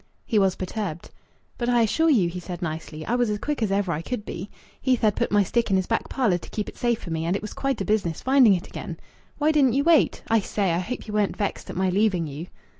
He was perturbed. "But I assure you," he said nicely, "I was as quick as ever I could be. Heath had put my stick in his back parlour to keep it safe for me, and it was quite a business finding it again. Why didn't you wait?... I say, I hope you weren't vexed at my leaving you."